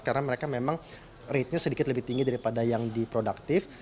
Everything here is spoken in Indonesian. karena mereka memang ratenya sedikit lebih tinggi daripada yang di produktif